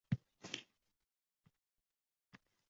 Rosa qiyratganmiz! Kerak boʻlgan-da!